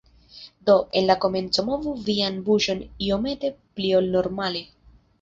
Do, en la komenco movu vian buŝon iomete pli ol normale.